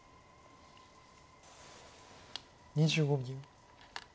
２５秒。